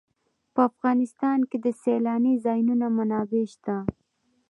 په افغانستان کې د سیلانی ځایونه منابع شته.